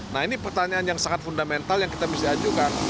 nah ini pertanyaan yang sangat fundamental yang kita mesti ajukan